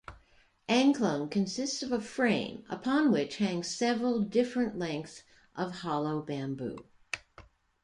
Angklung consists of a frame upon which hang several different lengths of hollow bamboo.